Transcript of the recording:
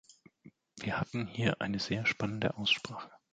Wir hatten hier eine sehr spannende Aussprache.